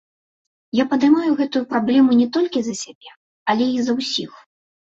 Я падымаю гэтую праблему не толькі за сябе, але і за ўсіх.